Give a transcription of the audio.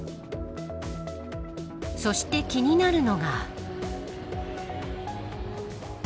そして気になるのが。